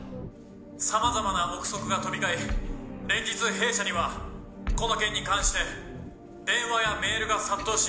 さまざまな憶測が飛び交い連日弊社にはこの件に関して電話やメールが殺到し。